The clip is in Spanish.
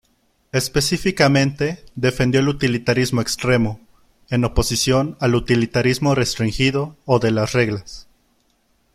Específicamente, defendió el utilitarismo "extremo", en oposición al utilitarismo "restringido" o de las reglas.